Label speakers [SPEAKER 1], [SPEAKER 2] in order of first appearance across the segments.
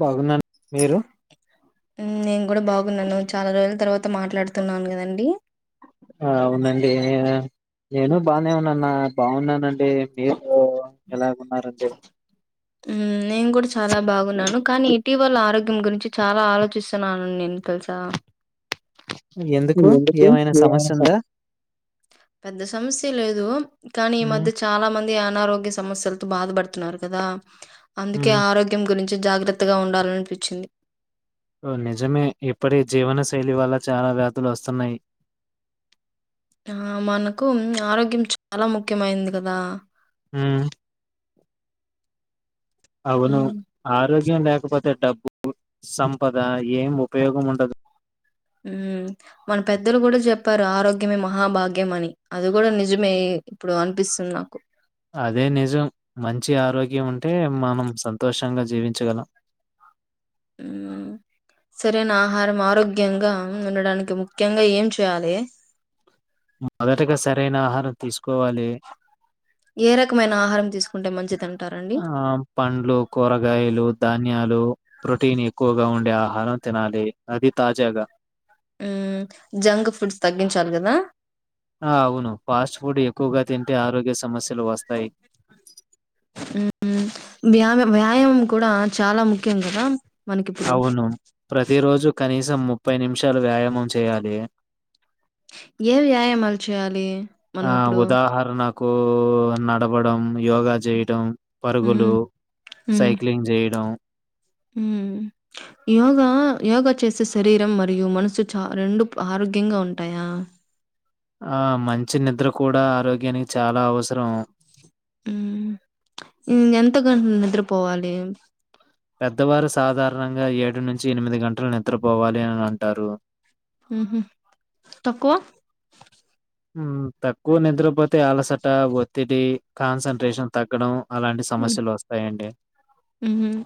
[SPEAKER 1] బాగున్నాను మీరు
[SPEAKER 2] నేను కూడా బాగున్నాను చాలా రోజుల తర్వాత మాట్లాడు తున్నాను కదండి
[SPEAKER 1] ఆ అవునండి నేను బానే ఉన్నాన్న బాగున్నానండి మీరు ఉ ఎలా ఉన్నారండి
[SPEAKER 2] ఉ నేను కూడా చాలా బాగున్నాను కానీ ఇటీవల ఆరోగ్యం గురించి చాలా ఆలోచిస్తున్నాను నేను తెలుసా
[SPEAKER 1] ఎందుకు
[SPEAKER 2] ఎందుకు?
[SPEAKER 1] ఏమైనా
[SPEAKER 2] ఏమైనా
[SPEAKER 1] సమస్య
[SPEAKER 2] స
[SPEAKER 1] ఉందా
[SPEAKER 2] పెద్ద సమస్య లేదు కానీ ఈ
[SPEAKER 1] ఉమ్
[SPEAKER 2] మధ్య చాలా మం అనారోగ్య సమస్యలతో బాధపడుతున్నారు కదా అందుకే
[SPEAKER 1] ఉమ్
[SPEAKER 2] ఆరోగ్యం గురి చి జాగ్రత్తగా ఉండాలనిపించింది
[SPEAKER 1] నిజమే ఇప్పటి జీవనశైలి వల్ల చాలా వ్యాధులు వస్తున్నాయి
[SPEAKER 2] ఆ మనకు ఆరోగ్యం చాలా ముఖ్యమయింది కదా
[SPEAKER 1] ఉ అవును
[SPEAKER 2] హ్మ్.
[SPEAKER 1] ఆరో గ్యం లేకపోతే డబ్బు సంపద ఏం ఉపయోగం ఉండదు
[SPEAKER 2] ఉ మన పెద్దలు కూడా చెప్పారు ఆరోగ్యమే మహాభాగ్యం అని అది కూడా నిజమే ఇప్పుడు అనిపిస్తుంది నాకు
[SPEAKER 1] అదే నిజం మంచి ఆరోగ్యం ఉంటే మనం సంతోషంగా జీవించగలం
[SPEAKER 2] అ సరేనా ఆహారం ఆరోగ్యంగా ఉండడానికి ముఖ్యంగా ఏం చేయాలి
[SPEAKER 1] మొదటగా సరైన ఆహారం తీసుకోవాలి
[SPEAKER 2] ఏ రకమైన ఆహారం తీసుకుంటే మంచిదన్
[SPEAKER 1] ఆ పండ్లు, కూరగాయలు, ధాన్యాలు ప్రోటీన్ ఎక్కువగా ఉండే ఆహారం తినాలి అది తాజాగా
[SPEAKER 2] జంక్ ఫుడ్స్ తగ్గించాలి కదా
[SPEAKER 1] ఆ అవును ఫాస్ట్ ఫుడ్ ఎక్కువగా తింటే ఆరోగ్య సమస్యలు వస్తాయి
[SPEAKER 2] వ్యామ వ్యాయామం కూడా చాలా ముఖ్యం కదా మనకిప్పుడు
[SPEAKER 1] అవును ప్రతిరోజు కనీసం ముప్పై నిమిషాలు వ్యాయామం చేయాలి
[SPEAKER 2] ఏ వ్యాయామాలు చేయాలి మనం ఇప్పుడు
[SPEAKER 1] కు నడపడం, యోగా చేయడం
[SPEAKER 2] మ్మ్
[SPEAKER 1] పరుగులు, సైక్లింగ్ చేయడం
[SPEAKER 2] ఉ యోగా యోగ చేసే శరీరం మరియు మనసు చ రెండు ఆరోగ్యంగా ఉంటాయా
[SPEAKER 1] ఆ మంచి నిద్ర కూడా ఆరోగ్యానికి చాలా అవసరం
[SPEAKER 2] మ్మ్ ఎంత గంట నిద్రపోవాలి
[SPEAKER 1] పెద్దవారు సాధారణంగా ఏడు నుంచి ఎనిమిది గంటలు నిద్రపోవాలి అని అంటారు
[SPEAKER 2] ఉహుమ్ తక్కువ
[SPEAKER 1] తక్కువ నిద్రపోతే అలసట ఒత్తిడి కాన్సన్ట్రేషన్ తగ్గడం అలాంటి
[SPEAKER 2] మ్
[SPEAKER 1] సమస్యలొస్తాయండి.
[SPEAKER 2] ఉహుమ్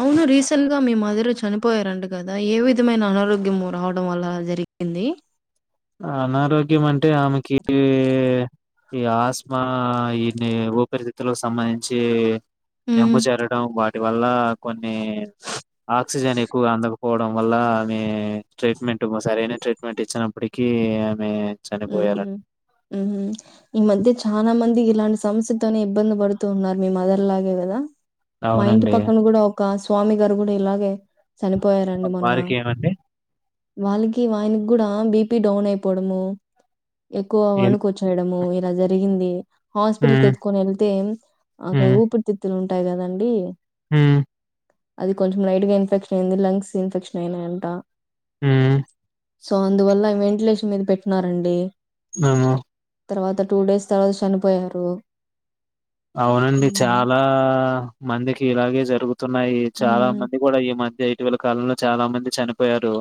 [SPEAKER 2] అవును రీసెంట్ గా మీ మదిర చనిపోయారంట కదా ఏ విధమైన అనారోగ్యము రావడం వల్ల జరిగింది
[SPEAKER 1] అనారోగ్యం అంటే ఆమెకి ఈ ఆస్మా ఊపరిస్థితులకు సంబంధించి
[SPEAKER 2] హ్మ్.
[SPEAKER 1] నమ్ము చేరడం వాటి వల్ల కొన్ని ఆక్సిజన్ ఎక్కువ అందకపోవడం వల్ల మీ చె మంట సరైన ట్రీట్మెంట్ ఇచ్చినప్పటికి
[SPEAKER 2] ఉహుమ్ ఉహుమ్ ఈ మధ్య చనా మంది ఇ ఇలాంటి సమస్యతోనే ఇబ్బంది పడుతూ ఉన్నారు మీ మదర్ లాగే కదా మా ఇంటి
[SPEAKER 1] అవునండి.
[SPEAKER 2] పక్కన కూడా ఒక స్వామి గారు కూడా ఇలాగే చనిపోయారండి మొన్న
[SPEAKER 1] వారికేమండి?
[SPEAKER 2] వాళ్ళకి ఆయనకి కూడా బిపి డౌన్ అయిపోవడము ఎక్కువ
[SPEAKER 1] ఎన్
[SPEAKER 2] వణుకొ వచ్చేయడము ఇలా జరిగింది హాస్పిటల్కి
[SPEAKER 1] హ్మ్.
[SPEAKER 2] ఎత్తుకొని వెళ్తే అక ఊపిరితిత్తులు ఉంటాయి కదండి
[SPEAKER 1] మ్మ్
[SPEAKER 2] అది కొంచెం రలైట్ గా ఇన్ఫెక్షన్ అయింది లంగ్స్ ఇన్ఫెక్షన్ అయినాయంట
[SPEAKER 1] మ్మ్
[SPEAKER 2] సో అందువల్ల వెంటిలేషన్ మీద పెట్టినారండి
[SPEAKER 1] అ
[SPEAKER 2] తర్వాత టూ డేస్ తర్వాత చనిపోయారు
[SPEAKER 1] అవునండి
[SPEAKER 2] హ్మ్.
[SPEAKER 1] చాలా మందికి ఇలాగే జరుగుంది స్తున్నాయి చాలా
[SPEAKER 2] హ్మ్.
[SPEAKER 1] మంది కూడా ఈ మధ్య ఇటీవల కాలంలో చాలా మంది చనిపోయారు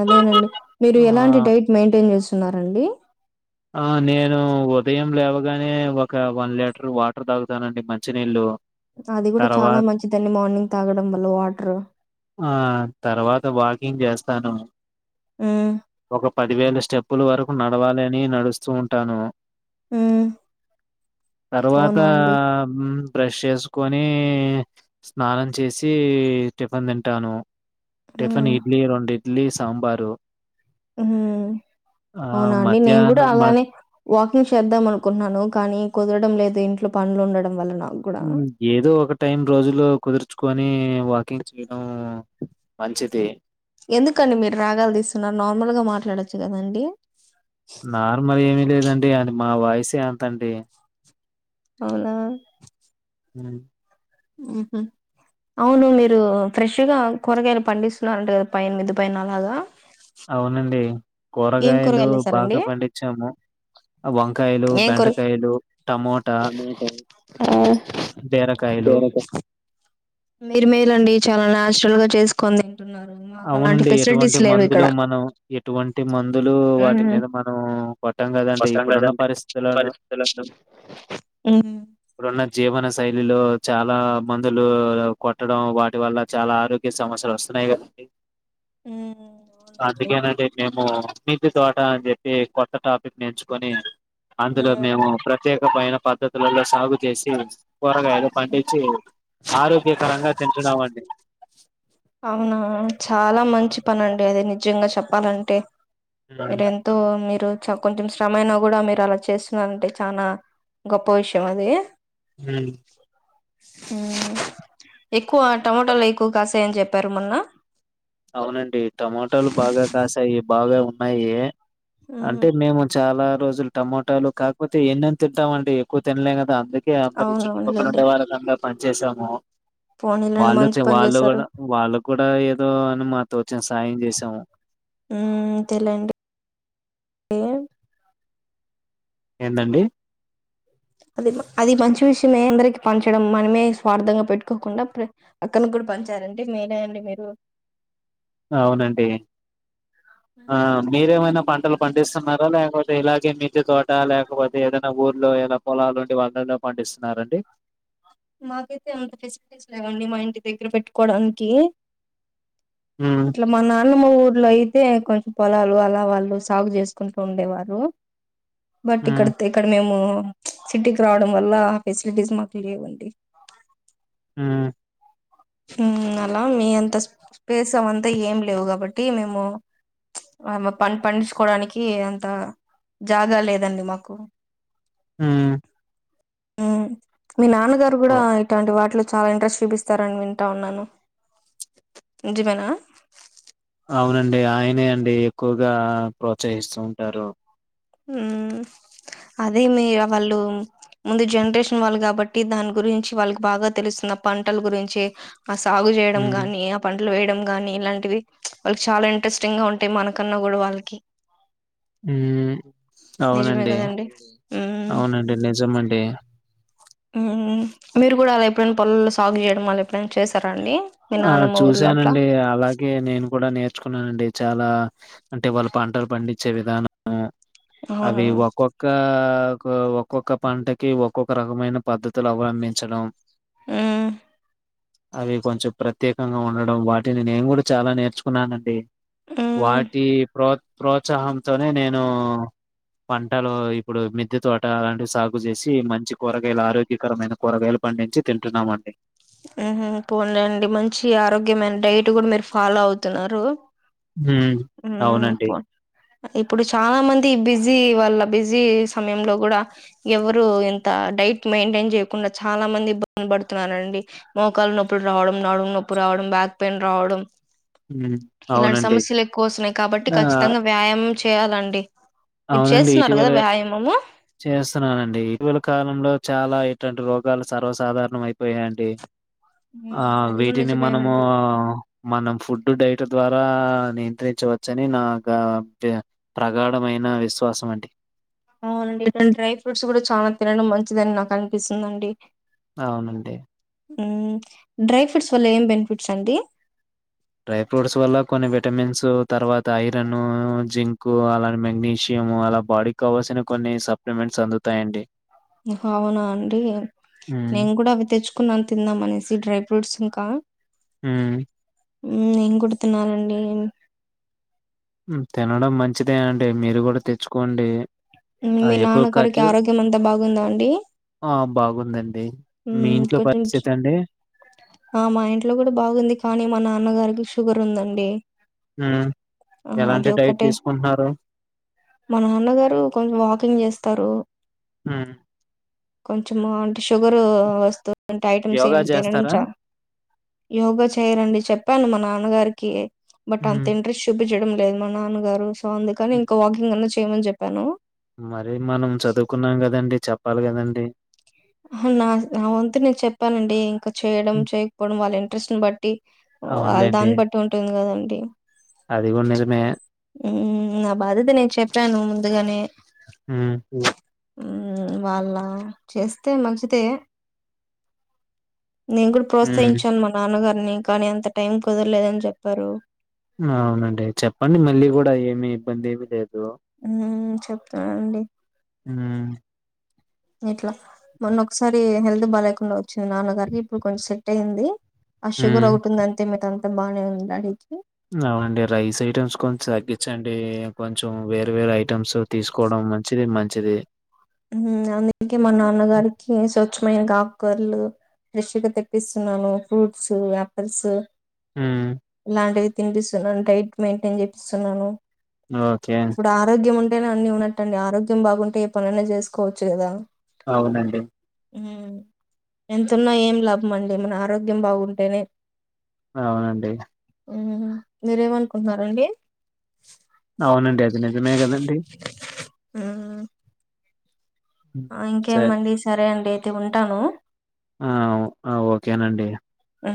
[SPEAKER 2] అదేనండి మీరు
[SPEAKER 1] ఆ
[SPEAKER 2] ఎలాంటి డైట్ మెయింటైన్ చేస్తున్నారండి
[SPEAKER 1] ఆ నేను ఉదయం లేవగానే ఒక వన్ లీటర్ వాటర్ తాగుతానండి మంచి నీళ్ళలు
[SPEAKER 2] అది కూడా చాలా మంచిదండి మార్నింగ్ తాగడం వల్ల వాటర్
[SPEAKER 1] ఆ తర్వాత వాకింగ్ చేస్తాను
[SPEAKER 2] మ్
[SPEAKER 1] ఒక పదివేల స్టెప్పులు వరకు నడవాలి అని నడుస్తూ ఉంటాను
[SPEAKER 2] హ
[SPEAKER 1] తర్వాత బ్రష్ చేసు కోని స్నానం చేసి టిఫిన్ తింటాను టిఫిన్
[SPEAKER 2] హ్మ్.
[SPEAKER 1] ఇడ్లీ రెండు ఇడ్లీ సాంబారు
[SPEAKER 2] ఆ
[SPEAKER 1] ఆ
[SPEAKER 2] అవునా అండి నేను కూడా
[SPEAKER 1] మధ్యాహ్నం మ
[SPEAKER 2] అలానే వాకింగ్ చేద్దాం అనుకుంటున్నాను కానీ కుదరడం లేదు ఇంట్లో పనులు ఉండడం వలన
[SPEAKER 1] ఏదో ఒక టైం రోజులో కుదుర్చుకని అనీ వాకింగ్ చేయడం మంచిది
[SPEAKER 2] ఎందుకండి మీరు రాగాలు తీస్తున్నారు నార్మల్గా మాట్లాడొచ్చు కదండడి
[SPEAKER 1] నార్మల్ ఏమిీ లేదండి అ మా వాయిసు ఎంతండి
[SPEAKER 2] అవునా
[SPEAKER 1] హ
[SPEAKER 2] ఆహ అవును మీరు ఫ్రెష్గా కూరగాయలు పండిస్తున్నారంట కదా పైన మిద్దు పైన అలాగా
[SPEAKER 1] అవునండి
[SPEAKER 2] ఏం
[SPEAKER 1] కూరగాయలు బాగా
[SPEAKER 2] వేసారండి
[SPEAKER 1] పండించాము వంకాయలు
[SPEAKER 2] ఏం కూర
[SPEAKER 1] బెండకాయలు టమోటా
[SPEAKER 2] ఆ
[SPEAKER 1] బీరకాయలు
[SPEAKER 2] బీరకాయ మీరు మేలండి చాలా నాచురల్ గా చేసుకొని తింటారు
[SPEAKER 1] అవునండి ఎటువంటి మందులు మనం ఎటువంటి మందులు వాటి మీద మనం కొట్టం కదండి.
[SPEAKER 2] ఫస్ట్ టైం
[SPEAKER 1] ఇప్పుడున్న
[SPEAKER 2] కదండీ
[SPEAKER 1] పరిస్థితులను
[SPEAKER 2] పరిస్థితులు ఊ
[SPEAKER 1] ఇప్పుడున్న జీవన శైలిలో చాలా మందులు కొట్టడం వాటి వల్ల చాలా ఆరోగ్య సమస్యలు వస్తున్నాయి కదా
[SPEAKER 2] ఉమ్ అవునండి
[SPEAKER 1] అందుకేనండి మిద్ది తోట అని చెప్పి కొత్త టాపిక్ నేర్చుకొని అందులో మేము ప్రత్యేక పైన పద్ధతులలో సాగు చేసి కూరగాయలు
[SPEAKER 2] ఉమ్
[SPEAKER 1] పండించి ఆరోగ్యకరంగా తింటున్నమండి
[SPEAKER 2] అవునా చాలా మంచి పని అండి అది నిజంగా చెప్పాలంటే మీర
[SPEAKER 1] ఉమ్,
[SPEAKER 2] ఎంతో మీరు కొంచెం శ్రమ అయినా కూడా మీరు అలా చేస్తున్నారంటే చానా గొప్ప విషయం అది
[SPEAKER 1] ఉ
[SPEAKER 2] ఎక్కువ టమటాలు ఎక్కువ కాసాయని చెప్పారు మొన్న
[SPEAKER 1] అవునండి టమాటాలు బాగా కాసాయి బాగా ఉన్నాయి అంటే మేము చాలా రోజులు టమోటాలు కాకపోతే ఎన్ని అని తింటాం అండి ఎక్కువ తినలే కదా అందకే అందరి
[SPEAKER 2] అవును
[SPEAKER 1] చుట్టుపక్కల
[SPEAKER 2] అవునులేండి
[SPEAKER 1] ఉండే వాళ్ళ అందరికి పంచేసము చేసాము
[SPEAKER 2] పోనీలేండి
[SPEAKER 1] వాళ్ళు
[SPEAKER 2] మంచి పని
[SPEAKER 1] వాళ్ళు
[SPEAKER 2] చేశారు
[SPEAKER 1] కూడా వాళ్ళు కూడా ఏదో అని మా తోచిన సాయం చేసాము
[SPEAKER 2] అంతేలేండి
[SPEAKER 1] ఎందండీ
[SPEAKER 2] ఆ అది అది మంచి విషయమే అందరికి పంచడం మనమే స్వార్థంగా పెట్టుకోకుండా ప్ర పక్కన కూడా పంచడం సారండి మీరే అండి మీరు
[SPEAKER 1] అవునండి ఆ మీరేమైనా వంటలు పండిస్తున్నారా లేకపోతే ఇలాగే మిద్ది తోట లేకపోతే ఏదైనా ఊర్లో ఏద పొలాలు ఉండి వాళ్ళలో పండిస్తున్నారండి
[SPEAKER 2] మాకైతే అంత ఫెసిలిటీస్ లేవండి మా ఇంటి దగ్గర పెట్టుకోడానికి
[SPEAKER 1] ఉమ్
[SPEAKER 2] ఇంట్లో మందమే ము ఊర్లో అయితే కొంచెం పొలాలు అలా వాళ్ళు సాగు చేసుకుంటూ ఉండేవారు బట్ ఇక్కడ
[SPEAKER 1] ఉమ్
[SPEAKER 2] ఇక్కడ మేము సిటీకి రావడం వల్ల ఫెసిలిటీస్ మాకు లేవు ఆ
[SPEAKER 1] ఆ
[SPEAKER 2] ఉ అలా మీ అంత స్పేస్ అవంతా ఏం లేవు కాబట్టి మేము ఆ ప పండించుకోడానికి అంత జాగా లేదండి మాకు
[SPEAKER 1] ఉ
[SPEAKER 2] మీ నాన్నగారు కూడా ఇటాటి వాటిలో చాలా ఇంట్రెస్ట్ చూపిస్తారని వింటా ఉన్నాను నిజమేనా
[SPEAKER 1] అవునండి ఆయనే అండి ఎక్కువగా ప్రోత్సహిస్తూ ఉంటారు
[SPEAKER 2] ఉ అదే మీ వాళ్ళు ముందు జనరేషన్ వాళ్ళు కాబట్టి దాని గురించి వాళ్ళకి బాగా తెలుస్తున్న పంటల గురించి ఆ సాగు చేయడం
[SPEAKER 1] ఉమ్
[SPEAKER 2] గానీ ఏ పంటలు వేయడం ని ఇలాంటివి వాళ్ళకి చాలా ఇంట్రెస్టింగ్ గా ఉంటాయి మనకన్నా కూడా వాళ్ళకి నిజమే
[SPEAKER 1] అవునండి
[SPEAKER 2] కదండి మ్మ్
[SPEAKER 1] అవునండి
[SPEAKER 2] మ్మ్
[SPEAKER 1] నిజమండి
[SPEAKER 2] మీరు కూడా అలా ఎప్పుడైనా పొలల్లో సాగు చేయడం అళ్ళు ఎప్పుడైనా చేసారాండి
[SPEAKER 1] ఆ చూశానండి అలాగే నేను కూడా నేర్చుకున్నానండి చాలా అంటే వాళ్ళ పంటలు పండించే విధానము
[SPEAKER 2] అవునా
[SPEAKER 1] అవి ఒక్కొక్క ఒక్కొక్క పంటకి ఒక్కొక్క రకమైన పద్ధతులు అవందించడం.
[SPEAKER 2] ఉమ్.
[SPEAKER 1] అవి కొంచెం ప్రత్యేకంగా ఉండడం వాటిని నేను కూడా చాలా నేర్చుకున్నానండి.
[SPEAKER 2] మ్మ్
[SPEAKER 1] వాటి ప్రో ప్రోత్సాహంతోనే నేను. పంటలో ఇప్పుడు న మెద్ది తోట అలాంటివి సాగు చేసి మంచి కూరగాయలు ఆరోగ్యకరమైన కూరగాయలు. పండించి తింటున్నామండి.
[SPEAKER 2] ఆ పోనీలెండి మంచి ఆరోగ్యమైన డైట్ కూడా మీరు ఫాలో అవుతున్నారు.
[SPEAKER 1] హ్మ్
[SPEAKER 2] ఉమ్
[SPEAKER 1] అవునండి
[SPEAKER 2] పో ఇప్పుడు చాలా మంది ఇ బిస్. బిజీ వాల్ళ బిజీ సమయంలో కూడా ఎవరు ఇంత డైట్ మెయింటైన్ చేయకుండా చాలా. చాలా మంది ఇబ్బంది పడుతున్నారండి మోకాలు నొప్పులు రావడం నాడుగు నొప్పుల్ రావడం బ్యాక్ పెయిన్ రావడం.
[SPEAKER 1] హ్మ్
[SPEAKER 2] ఇలాంటి
[SPEAKER 1] అవునండి
[SPEAKER 2] సమస్యలు ఎక్కువ వస్తున్నాయి కాబట్టి
[SPEAKER 1] ఆ
[SPEAKER 2] ఖచ్చితంగా వ్యాయామం చేయాలండి. మీరు
[SPEAKER 1] అవునండి
[SPEAKER 2] చేస్తున్నారు
[SPEAKER 1] ఇటీవల
[SPEAKER 2] కదా వ్యాయామము
[SPEAKER 1] చేస్తున్నానండి ఇటీవల కాలంలో చాలా. ఇటులాంటి రోగాలు సర్వసాధారణం అయిపోయాయండి. ఆ
[SPEAKER 2] ఉమ్, అది కూడా
[SPEAKER 1] వీటిని మనము
[SPEAKER 2] నిజమేనండి
[SPEAKER 1] మనం ఫుడ్ డైట్ ద్వారా. నియంత్రించవచ్చని నా ప్రగాఢమైన. విశ్వాసం అండి.
[SPEAKER 2] అవునండి ఇటువంటి డ్రై ఫ్రూట్స్ కూడా చాలా తినడం మంచిదని నాకు అనిపిస్తుందిండి.
[SPEAKER 1] అవునండి.
[SPEAKER 2] ఉమ్ డ్రై ఫ్రూట్స్ వల్ల ఏం బెనిఫిట్స్ అండి.
[SPEAKER 1] డ్రై ఫ్రూట్స్ వల్ల కొన్ని విటమిన్స్ తర్వాత ఐరన్ జింకు అలాంటి మెగ్నీషియం‌. మేము అలా బాడీ కావాల్సిన కొన్ని సప్లిమెంట్స్ అందుతాయండి.
[SPEAKER 2] అవునా అండి.
[SPEAKER 1] ఉమ్
[SPEAKER 2] నేను కూడా అవి తెచ్చుకున్నాను తిందాం అనేసి డ్రై ఫ్రూట్స్ ఇంకా.
[SPEAKER 1] హుమ్.
[SPEAKER 2] ఉమ్ నేను కూడా తినాలండి.
[SPEAKER 1] తినడం మంచిదే అండి మీరు కూడా తెచ్చుకోండి. ఆ
[SPEAKER 2] మీ
[SPEAKER 1] ఎక్కువ
[SPEAKER 2] నాన్నగారికి
[SPEAKER 1] ఖర్జూర్
[SPEAKER 2] ఆరోగ్యం అంతా బాగుందా అండి.
[SPEAKER 1] ఆ బాగుందండి. మీ ఇంట్లో పరిస్థితి అండి
[SPEAKER 2] ఆ మా ఇంట్లో కూడా బాగుంది కానీ మన. నాన్నగారికి షుగర్ ఉందండి.
[SPEAKER 1] హ
[SPEAKER 2] ఆ, అది
[SPEAKER 1] ఎలాంటి డైట్
[SPEAKER 2] ఒక్కటే
[SPEAKER 1] తీసుకుంటున్నారు.
[SPEAKER 2] మా నాన్నగారు కొంచెం వాకింగ్ చేస్తారు.
[SPEAKER 1] ఉమ్
[SPEAKER 2] కొంచం అంటే షుగర్ వస్తు. అంట ఐటమ్స్
[SPEAKER 1] యోగా
[SPEAKER 2] ఏమి తినడంచ
[SPEAKER 1] చేస్తారా
[SPEAKER 2] యోగా చేయ రండి. చెప్పాను మా నాన్నగారికి బట్ అంత
[SPEAKER 1] హ్మ్.
[SPEAKER 2] ఇంట్రెస్ట్ చూపించడం లేదు మా నాన్నగారు. సో అందుకని
[SPEAKER 1] హ్మ్.
[SPEAKER 2] ఇంకా వాకింగ్ అన్నా చేయమని చెప్పాను.
[SPEAKER 1] మరి మనం చదువుకున్నాం కదండి చెప్పాలి కదండి.
[SPEAKER 2] నా నా వంతు నేను చెప్పానండి ఇంకా చేయడం
[SPEAKER 1] హ్మ్.
[SPEAKER 2] చేయకపోవడం వాళ్ళ ఇంట్రెస్ట్ ని బట్టి.
[SPEAKER 1] అవును.
[SPEAKER 2] వాళ్ళ
[SPEAKER 1] అవునులేండి.
[SPEAKER 2] దాన్ని బట్టి ఉంటుంది కదండి.
[SPEAKER 1] అది గూడా నిజమే.
[SPEAKER 2] ఉమ్ నా బాధ్యత నేను చెప్పాను ముందుగానే.
[SPEAKER 1] హుమ్.
[SPEAKER 2] హ్మ్ వాళ్ళ చేస్తే మంచిదే. నేను కూడా
[SPEAKER 1] హ్మ్.
[SPEAKER 2] ప్రోత్సహించాను మా నాన్నగారిని కానీ అంత టైం కుదరలేదని చెప్పారు.
[SPEAKER 1] అవునండి చెప్పండి మళ్ళీ కూడా ఏమి ఇబ్బంది ఏమి లేదు.
[SPEAKER 2] ఉమ్ చెప్తుననండి.
[SPEAKER 1] హ్మ్.
[SPEAKER 2] ఇట్లా మొన్న ఒకసారి హెల్త్ బాగా లేకుండా వచ్చింది నాన్నగారికి ఇప్పుడు కొంచెం సెట్ అయింది. ఆ షుగర్
[SPEAKER 1] హ్మ్.
[SPEAKER 2] అవుతుంది అంతే మిత అంతా బానే ఉంది అడికి.
[SPEAKER 1] అవునండి రైస్ ఐటెమ్స్ కొంచం తగ్గించండి కొంచెం వేరే వేరే ఐటెమ్స్ తీసుకోవడం. మంచిది మంచిది.
[SPEAKER 2] హ్మ్ అందుకే మా
[SPEAKER 1] హ్మ్.
[SPEAKER 2] నాన్నగారికి స్వ చ్చమైన ఆకుకూరలు ఫ్రెష్గా తెప్పిస్తున్నాము. ఫ్రూట్స్ ఆపిల్స్
[SPEAKER 1] హ్మ్.
[SPEAKER 2] ఇలాంటివి తినిపిస్తున్నాను. డైట్ మెయింటైన్ చేపిస్తున్నాను.
[SPEAKER 1] ఓకే
[SPEAKER 2] కెనా అన్ని ఉన్నట్టుండి. ఆరోగ్యం బాగుంటే ఏ పనైనా చేసుకోవచ్చు కదా
[SPEAKER 1] అవునండి
[SPEAKER 2] హ్మ్ ఎంతున్నా ఏం లాభం అండి మన ఆరోగ్యం బాగుంటేనే
[SPEAKER 1] అవునండి
[SPEAKER 2] హ్ మీరేమనుకుంటున్నారండి.
[SPEAKER 1] అవునండి. అది నిజమే కదండి
[SPEAKER 2] ఉమ్ ఇంకేమండి సరే అండి అయితే ఉంటాను.
[SPEAKER 1] ఆ ఆ ఓకేనండి
[SPEAKER 2] హ్